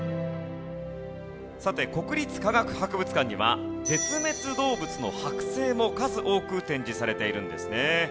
さて国立科学博物館には絶滅動物の剥製も数多く展示されているんですね。